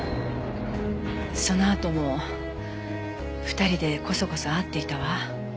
そのあとも２人でコソコソ会っていたわ。